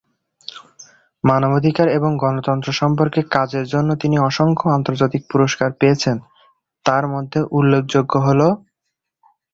মানবাধিকার এবং গণতন্ত্র সম্পর্কে কাজের জন্য তিনি অসংখ্য আন্তর্জাতিক পুরষ্কার পেয়েছেন, তার মধ্যে উল্লেখযোগ্য হল-